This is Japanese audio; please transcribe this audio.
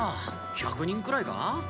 １００人くらいか？